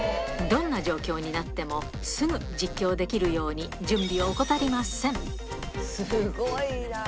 どんな状況になっても、すぐ実況できるように、準備を怠りません。